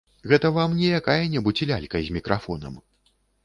Гэта вам не якая-небудзь лялька з мікрафонам!